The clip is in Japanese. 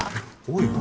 おい